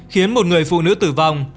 khiến một người phụ nữ tử vong